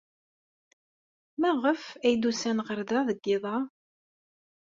Maɣef ay d-usan ɣer da deg yiḍ-a?